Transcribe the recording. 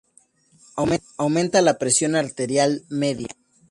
Aumenta la presión arterial media.